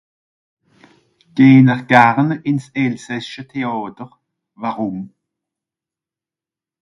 gehn'r garn ins elsassiche théàter warùm